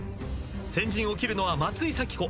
先陣を切るのは松井咲子。